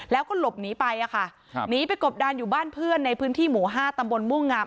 แล้วก็หลบหนีไปอะค่ะหนีไปกบดานอยู่บ้านเพื่อนในพื้นที่หมู่๕ตำบลม่วงงาม